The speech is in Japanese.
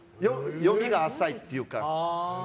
読みが浅いというか。